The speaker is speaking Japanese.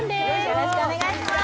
よろしくお願いします